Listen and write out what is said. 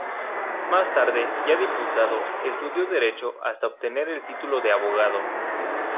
Más tarde, ya diputado, estudió Derecho hasta obtener el título de abogado.